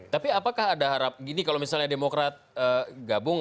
tapi apakah ada harap gini kalau misalnya demokrat gabung